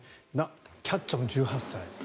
キャッチャーも１８歳。